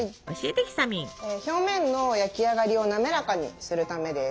表面の焼き上がりを滑らかにするためです。